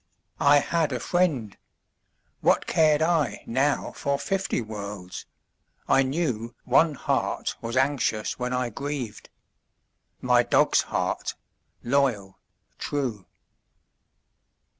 I had a friend; what cared I now For fifty worlds? I knew One heart was anxious when I grieved My dog's heart, loyal, true.